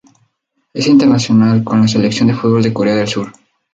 Es internacional con la selección de fútbol de Corea del Sur.